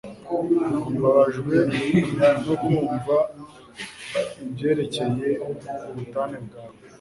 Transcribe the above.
Mbabajwe no kumva ibyerekeye ubutane bwawe